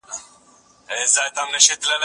ځيني خلکو ته کوچنۍ ستونزي غټي ښکاري.